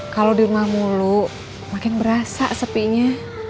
kalau di rumah mulu makin berasa sepinya